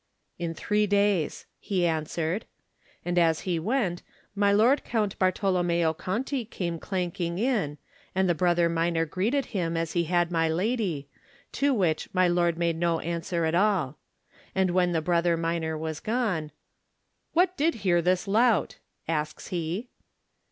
"In three days," he answered. And as he went, my lord Count Bartolonmieo Conti came clanking in, and the Brother Minor greeted him as he had my lady, to which my lord made no answer at all. And when the Brother Minor was gone: "What did here this lout?" asks he.